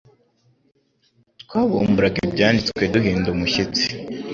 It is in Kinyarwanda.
Twabumburaga Ibyanditswe duhinda umushyitsi